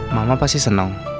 mama pasti seneng